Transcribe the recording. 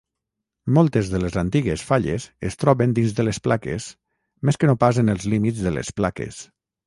Moltes de les antigues falles es troben dins de les plaques més que no pas en els límits de les plaques.